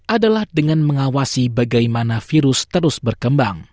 adalah dengan mengawasi bagaimana virus terus berkembang